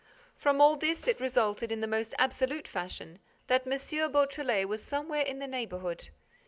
From all this, it resulted, in the most absolute fashion, that M. Beautrelet was somewhere in the neighborhood.